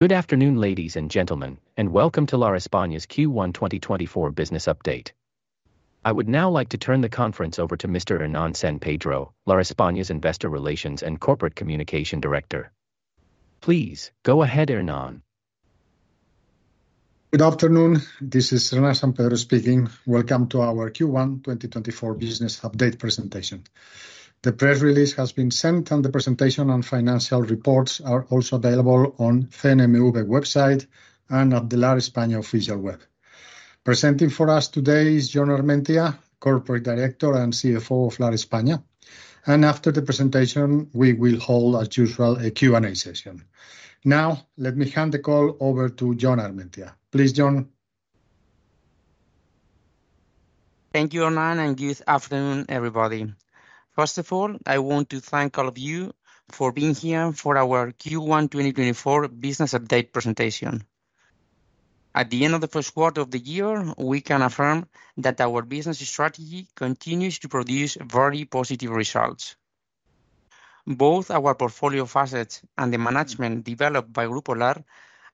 Good afternoon, ladies and gentlemen, and welcome to Lar España's Q1 2024 Business Update. I would now like to turn the conference over to Mr. Hernán San Pedro, Lar España's Investor Relations and Corporate Communication Director. Please, go ahead, Hernán. Good afternoon. This is Hernán San Pedro speaking. Welcome to our Q1 2024 Business Update presentation. The press release has been sent, and the presentation and financial reports are also available on CNMV website and at the Lar España official web. Presenting for us today is Jon Armentia, Corporate Director and CFO of Lar España, and after the presentation, we will hold, as usual, a Q&A session. Now, let me hand the call over to Jon Armentia. Please, Jon. Thank you, Hernán, and good afternoon, everybody. First of all, I want to thank all of you for being here for our Q1 2024 business update presentation. At the end of the Q1 of the year, we can affirm that our business strategy continues to produce very positive results. Both our portfolio of assets and the management developed by Grupo Lar,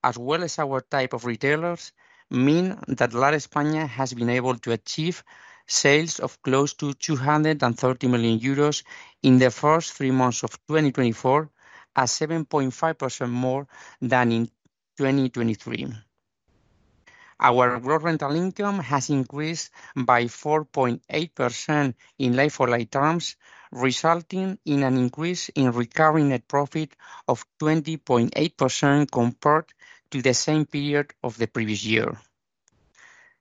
as well as our type of retailers, mean that Lar España has been able to achieve sales of close to 230 million euros in the first three months of 2024, at 7.5% more than in 2023. Our gross rental income has increased by 4.8% in like-for-like terms, resulting in an increase in recurring net profit of 20.8% compared to the same period of the previous year.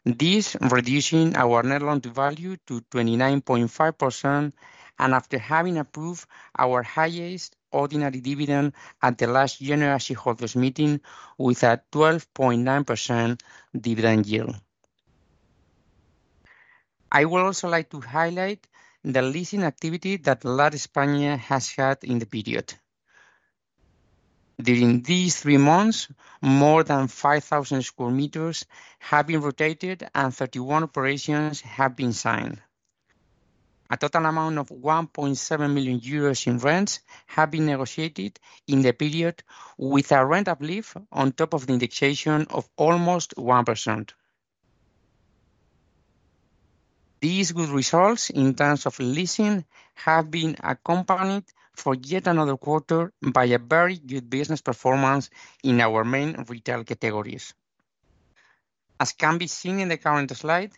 This reducing our net loan to value to 29.5%, and after having approved our highest ordinary dividend at the last general shareholders meeting, with a 12.9% dividend yield. I would also like to highlight the leasing activity that Lar España has had in the period. During these three months, more than 5,000 square meters have been rotated and 31 operations have been signed. A total amount of 1.7 million euros in rents have been negotiated in the period, with a rent uplift on top of the indexation of almost 1%. These good results, in terms of leasing, have been accompanied for yet another quarter by a very good business performance in our main retail categories. As can be seen in the current slide,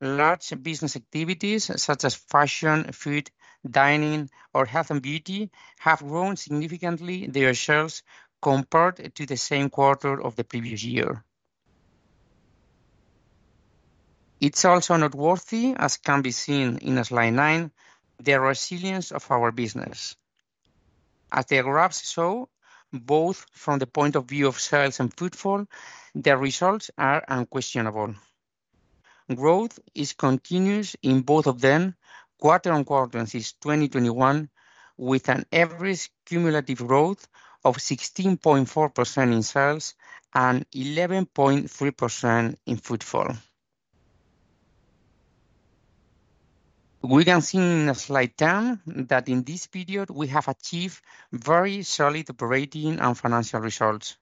large business activities such as fashion, food, dining, or health and beauty have grown significantly their sales compared to the same quarter of the previous year. It's also noteworthy, as can be seen in slide 9, the resilience of our business. As the graphs show, both from the point of view of sales and footfall, the results are unquestionable. Growth is continuous in both of them, quarter-on-quarter since 2021, with an average cumulative growth of 16.4% in sales and 11.3% in footfall. We can see in slide 10, that in this period we have achieved very solid operating and financial results.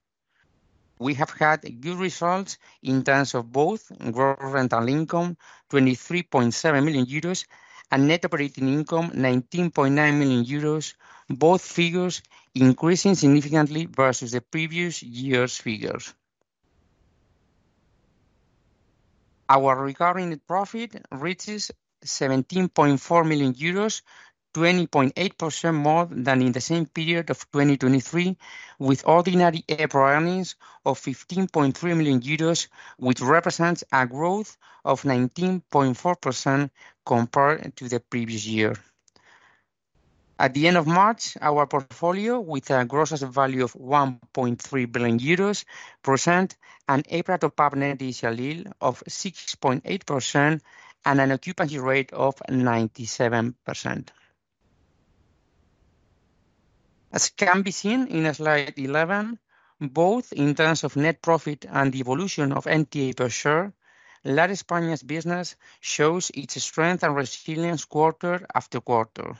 We have had good results in terms of both gross rental income, 23.7 million euros, and net operating income, 19.9 million euros, both figures increasing significantly versus the previous year's figures. Our recurring net profit reaches 17.4 million euros, 20.8% more than in the same period of 2023, with ordinary EBITDA earnings of 15.3 million euros, which represents a growth of 19.4% compared to the previous year. At the end of March, our portfolio, with a gross asset value of 1.3 billion euros percent, an EBITDA net of 6.8%, and an occupancy rate of 97%. As can be seen in slide 11, both in terms of net profit and the evolution of NTA per share, Lar España's business shows its strength and resilience quarter after quarter.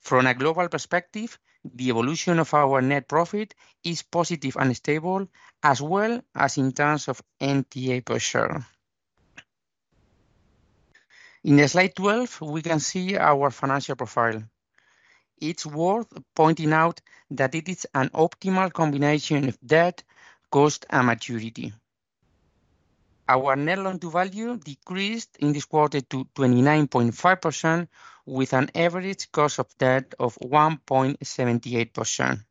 From a global perspective, the evolution of our net profit is positive and stable, as well as in terms of NTA per share. In slide 12, we can see our financial profile. It's worth pointing out that it is an optimal combination of debt, cost, and maturity. Our net loan to value decreased in this quarter to 29.5%, with an average cost of debt of 1.78%.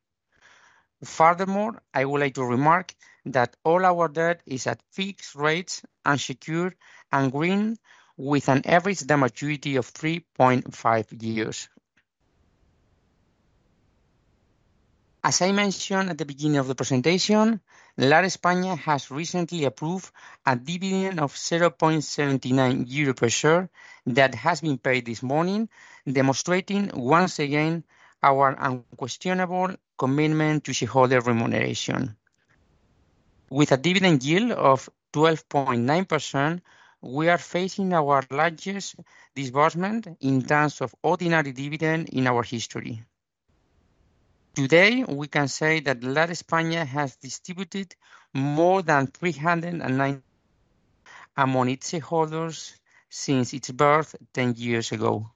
Furthermore, I would like to remark that all our debt is at fixed rates, and secure, and green, with an average term maturity of 3.5 years. As I mentioned at the beginning of the presentation, Lar España has recently approved a dividend of 0.79 euro per share that has been paid this morning, demonstrating once again our unquestionable commitment to shareholder remuneration. With a dividend yield of 12.9%, we are facing our largest disbursement in terms of ordinary dividend in our history. Today, we can say that Lar España has distributed more than 309 among its shareholders since its birth 10 years ago.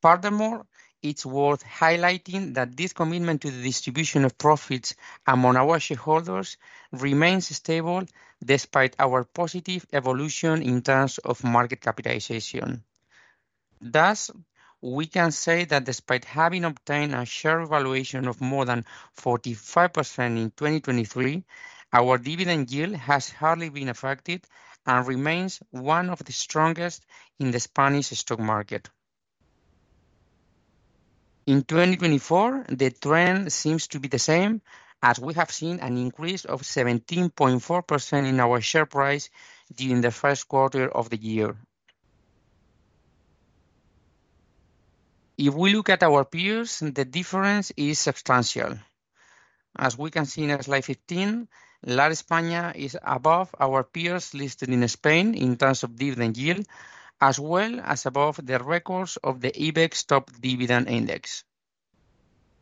Furthermore, it's worth highlighting that this commitment to the distribution of profits among our shareholders remains stable despite our positive evolution in terms of market capitalization. Thus, we can say that despite having obtained a share valuation of more than 45% in 2023, our dividend yield has hardly been affected, and remains one of the strongest in the Spanish stock market. In 2024, the trend seems to be the same, as we have seen an increase of 17.4% in our share price during the Q1 of the year. If we look at our peers, the difference is substantial. As we can see in slide 15, Lar España is above our peers listed in Spain in terms of dividend yield, as well as above the records of the IBEX Top Dividend Index.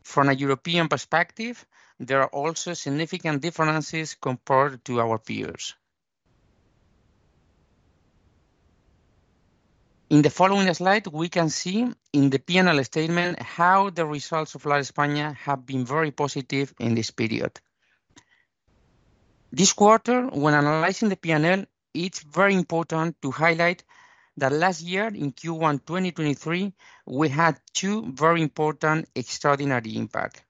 From a European perspective, there are also significant differences compared to our peers. In the following slide, we can see in the P&L statement how the results of Lar España have been very positive in this period. This quarter, when analyzing the P&L, it's very important to highlight that last year, in Q1, 2023, we had two very important extraordinary impact.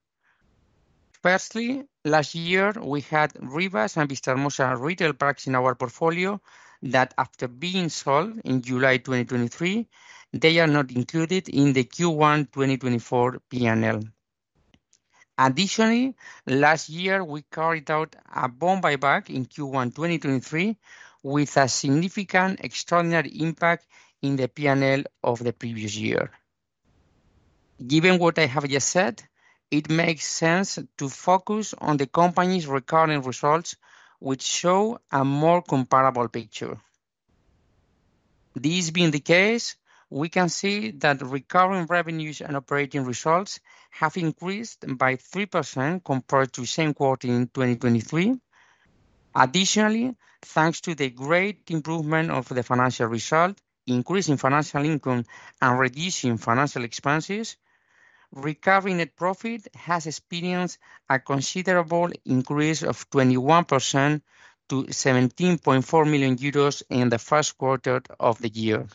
Firstly, last year, we had Rivas and Vistahermosa retail parks in our portfolio, that after being sold in July 2023, they are not included in the Q1 2024 P&L. Additionally, last year, we carried out a bond buyback in Q1 2023, with a significant extraordinary impact in the P&L of the previous year. Given what I have just said, it makes sense to focus on the company's recurring results, which show a more comparable picture. This being the case, we can see that recurring revenues and operating results have increased by 3% compared to the same quarter in 2023. Additionally, thanks to the great improvement of the financial result, increasing financial income, and reducing financial expenses, recurring net profit has experienced a considerable increase of 21% to 17.4 million euros in the Q1 of the year.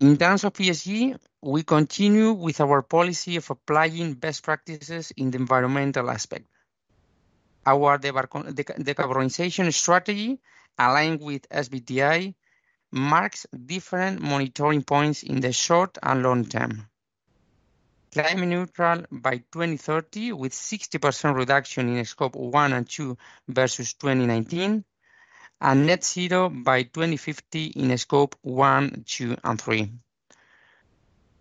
In terms of ESG, we continue with our policy of applying best practices in the environmental aspect. Our decarbonization strategy, aligned with SBTi, marks different monitoring points in the short and long term. Climate neutral by 2030, with 60% reduction in scope one and two versus 2019, and net zero by 2050 in scope one, two, and three.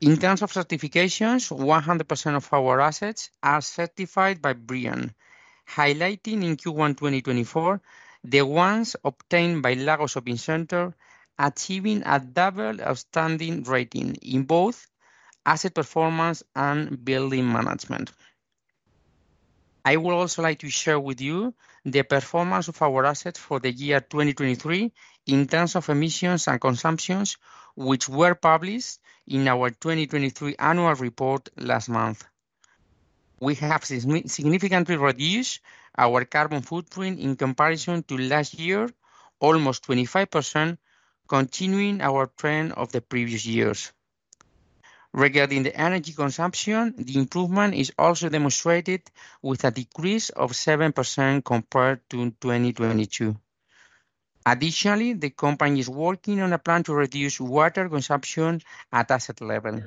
In terms of certifications, 100% of our assets are certified by BREEAM, highlighting in Q1 2024, the ones obtained by Lagoh Shopping Center, achieving a double outstanding rating in both asset performance and building management. I would also like to share with you the performance of our assets for the year 2023, in terms of emissions and consumptions, which were published in our 2023 annual report last month. We have significantly reduced our carbon footprint in comparison to last year, almost 25%, continuing our trend of the previous years. Regarding the energy consumption, the improvement is also demonstrated with a decrease of 7% compared to 2022. Additionally, the company is working on a plan to reduce water consumption at asset level.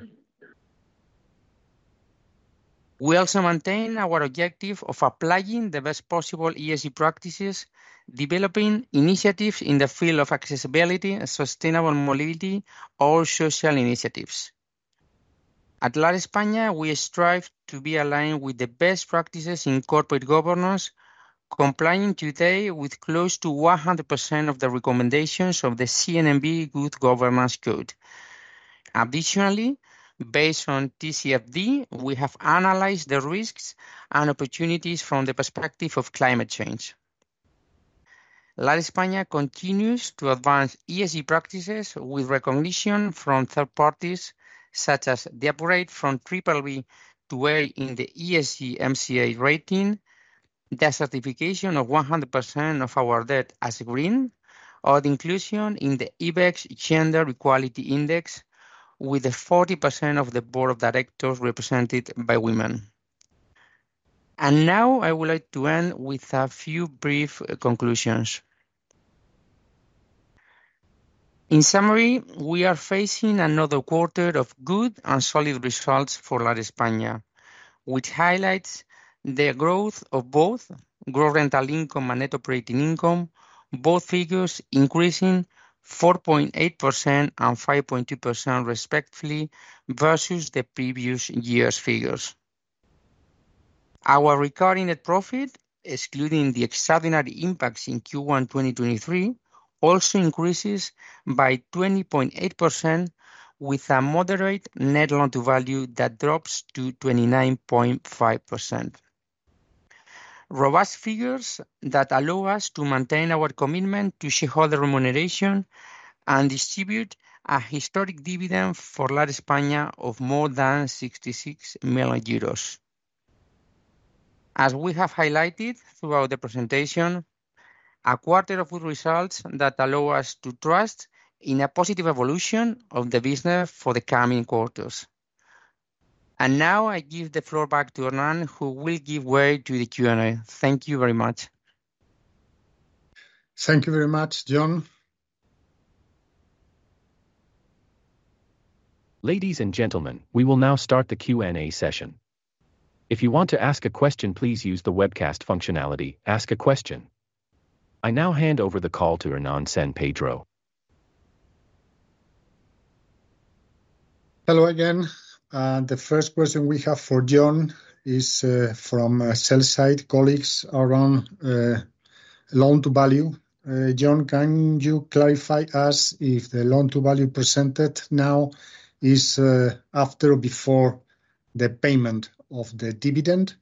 We also maintain our objective of applying the best possible ESG practices, developing initiatives in the field of accessibility and sustainable mobility or social initiatives. At Lar España, we strive to be aligned with the best practices in corporate governance, complying today with close to 100% of the recommendations of the CNMV Good Governance Code. Additionally, based on TCFD, we have analyzed the risks and opportunities from the perspective of climate change. Lar España continues to advance ESG practices with recognition from third parties, such as the upgrade from BBB to A in the ESG MSCI rating, the certification of 100% of our debt as green, or the inclusion in the IBEX Gender Equality Index, with 40% of the board of directors represented by women. Now, I would like to end with a few brief conclusions. In summary, we are facing another quarter of good and solid results for Lar España, which highlights the growth of both gross rental income and net operating income, both figures increasing 4.8% and 5.2%, respectively, versus the previous year's figures. Our recurring net profit, excluding the extraordinary impacts in Q1 2023, also increases by 20.8%, with a moderate net loan to value that drops to 29.5%. Robust figures that allow us to maintain our commitment to shareholder remuneration and distribute a historic dividend for Lar España of more than 66 million euros. As we have highlighted throughout the presentation, a quarter of good results that allow us to trust in a positive evolution of the business for the coming quarters. And now, I give the floor back to Hernán, who will give way to the Q&A. Thank you very much. Thank you very much, Jon. Ladies and gentlemen, we will now start the Q&A session. If you want to ask a question, please use the webcast functionality: Ask a Question. I now hand over the call to Hernán San Pedro. Hello again. The first question we have for Jon is from sell-side colleagues around loan-to-value. Jon, can you clarify us if the loan-to-value percentage now is after or before the payment of the dividend?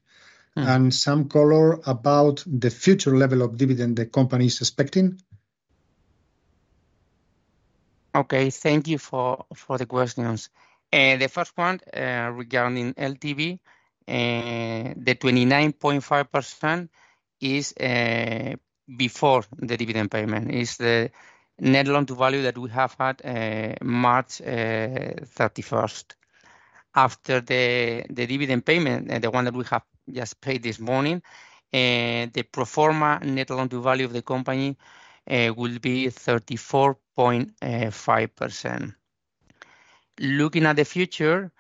Some color about the future level of dividend the company is expecting. Okay, thank you for the questions. The first one, regarding LTV, the 29.5% is before the dividend payment. It's the net loan to value that we have had March thirty-first. After the dividend payment, and the one that we have just paid this morning, the pro forma net loan to value of the company will be 34.5%. Looking at the future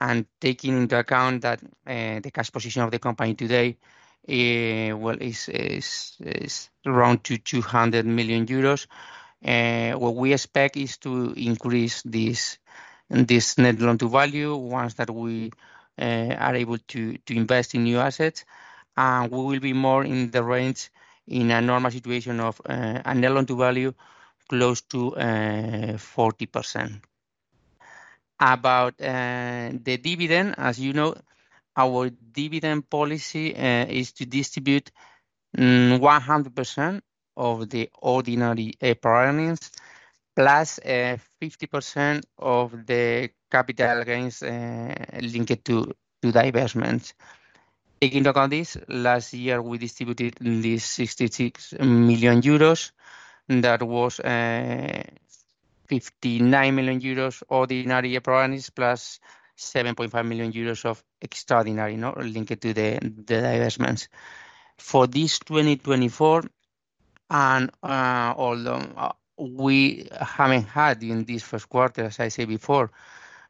and taking into account that the cash position of the company today, well, is around two hundred million euros, what we expect is to increase this net loan to value once that we are able to invest in new assets. And we will be more in the range, in a normal situation of a net loan to value close to 40%. About the dividend, as you know, our dividend policy is to distribute 100% of the ordinary earnings, plus 50% of the capital gains linked to divestments. Taking into account this, last year, we distributed 66 million euros, and that was 59 million euros ordinary earnings, plus 7.5 million euros of extraordinary, not linked to the divestments. For this 2024, and although we haven't had in this Q1, as I said before,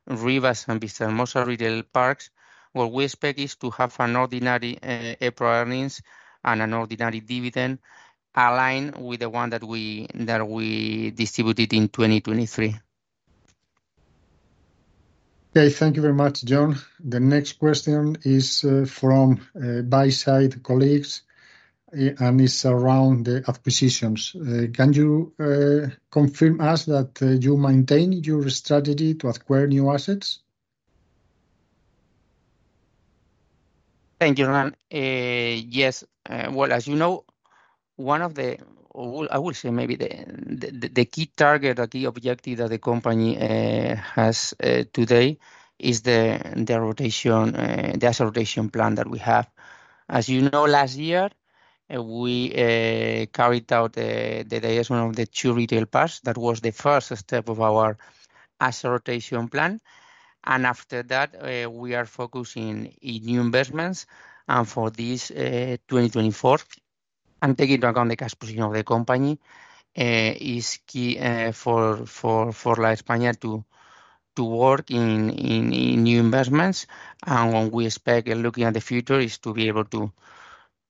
Rivas and Vistahermosa retail parks, what we expect is to have an ordinary earnings and an ordinary dividend aligned with the one that we distributed in 2023. Okay. Thank you very much, Jon. The next question is from buy-side colleagues, and it's around the acquisitions. Can you confirm us that you maintain your strategy to acquire new assets? Thank you, Hernán. Yes. Well, as you know, one of the... or I will say maybe the, the, the key target or key objective that the company has today is the, the rotation, the asset rotation plan that we have. As you know, last year, we carried out the divestment of the two retail parks. That was the first step of our asset rotation plan, and after that, we are focusing in new investments. For this 2024, and taking into account the cash position of the company, is key for, Lar España to, to work in, in, in new investments. And what we expect, looking at the future, is to be able to,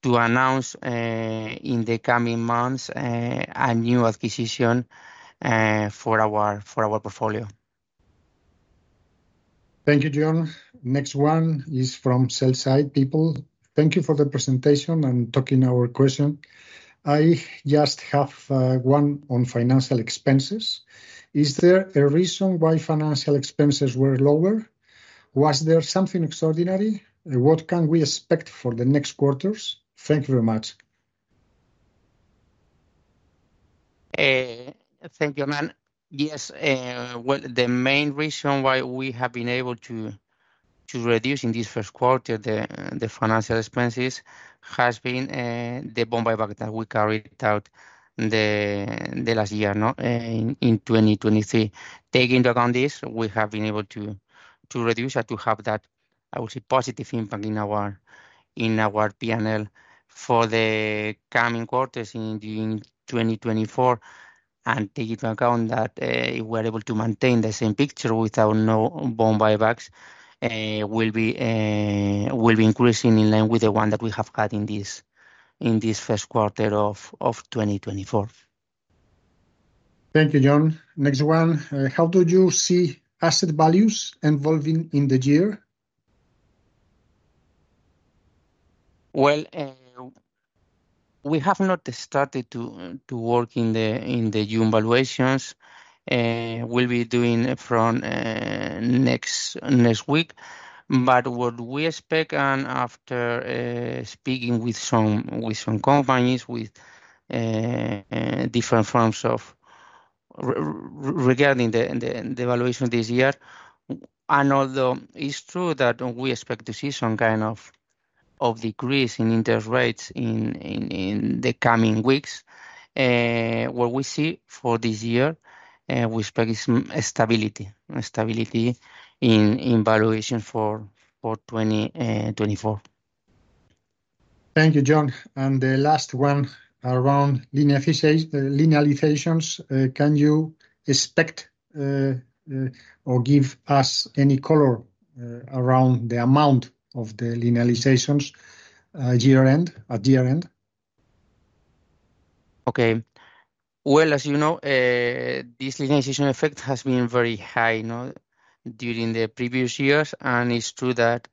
to announce in the coming months a new acquisition for our, for our portfolio. Thank you, Jon. Next one is from sell-side people. Thank you for the presentation and taking our question. I just have one on financial expenses. Is there a reason why financial expenses were lower? Was there something extraordinary? What can we expect for the next quarters? Thank you very much. Thank you, Hernán. Yes, well, the main reason why we have been able to reduce in this Q1 the financial expenses has been the bond buyback that we carried out the last year, no, in 2023. Taking into account this, we have been able to reduce and to have that, I would say, positive impact in our P&L. For the coming quarters in 2024, and taking into account that, if we're able to maintain the same picture without no bond buybacks, we'll be increasing in line with the one that we have had in this Q1 of 2024.... Thank you, Jon. Next one, how do you see asset values evolving in the year? Well, we have not started to work in the year valuations. We'll be doing it from next week. But what we expect, and after speaking with some companies, with different firms regarding the valuation this year, and although it's true that we expect to see some kind of decrease in interest rates in the coming weeks, what we see for this year, we expect is stability. Stability in valuation for 2024. Thank you, Jon. And the last one around linearization, linearizations. Can you expect, or give us any color, around the amount of the linearizations, year-end, at year-end? Okay. Well, as you know, this linearization effect has been very high, you know, during the previous years, and it's true that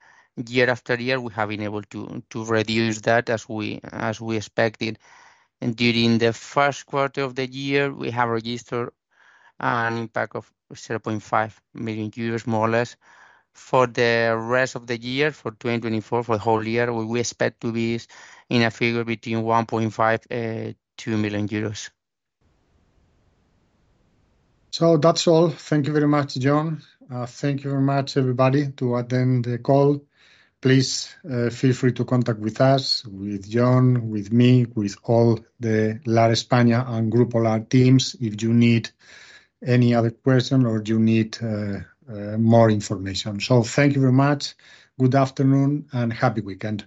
year after year we have been able to, to reduce that as we, as we expected. And during the Q1 of the year, we have registered an impact of 0.5 million euros, more or less. For the rest of the year, for 2024, for the whole year, we expect to be in a figure between 1.5 to 2 million. So that's all. Thank you very much, Jon. Thank you very much, everybody, to attend the call. Please, feel free to contact with us, with Jon, with me, with all the Lar España and Grupo Lar teams if you need any other person or you need, more information. So thank you very much. Good afternoon, and happy weekend.